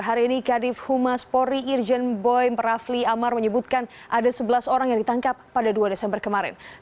hari ini kadif humas polri irjen boy rafli amar menyebutkan ada sebelas orang yang ditangkap pada dua desember kemarin